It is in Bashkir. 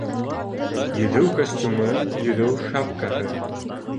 Йөҙөү костюмы. Йөҙөү шапкаһы